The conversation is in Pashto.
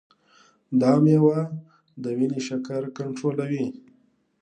دا مېوه د وینې شکر کنټرولوي.